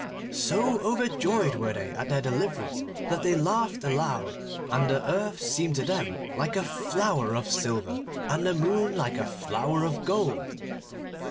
So overjoyed were they at their deliverance that they laughed aloud, and the Earth seemed to them like a flower of silver, and the Moon like a flower of gold.